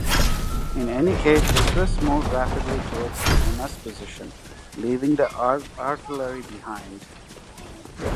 In any case, the Swiss moved rapidly towards Colonna's position, leaving the artillery behind.